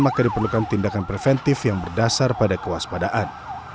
maka diperlukan tindakan preventif yang berdasar pada kewaspadaan